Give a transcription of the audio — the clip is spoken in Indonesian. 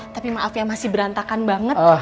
tapi maaf ya masih berantakan banget